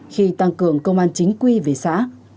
khi tăng cường công an chính quy về xã